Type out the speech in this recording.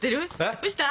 どうした？